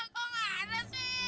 kok nggak ada sih